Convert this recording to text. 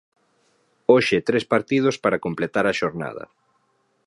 Hoxe tres partidos para completar a xornada.